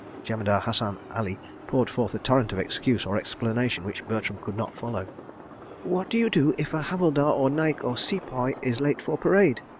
Jemadar Hassan Ali poured forth a torrent of excuse or explanation which Bertram could not follow. "What do you do if a Havildar or Naik or Sepoy is late for parade?"